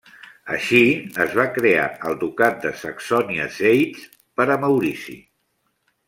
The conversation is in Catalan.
Així es va crear el ducat de Saxònia-Zeitz per a Maurici.